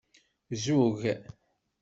Ẓugg.